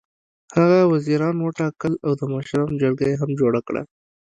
هغه وزیران وټاکل او د مشرانو جرګه یې هم جوړه کړه.